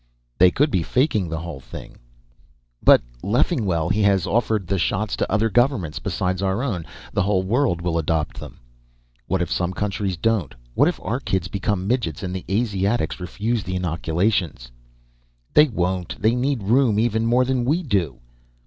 "They could be faking the whole thing." "But Leffingwell, he has offered the shots to other governments beside our own. The whole world will adopt them " "What if some countries don't? What if our kids become midgets and the Asiatics refuse the inoculations?" "They won't. They need room even more than we do."